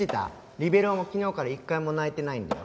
リベロウも昨日から一回も泣いてないんだよ。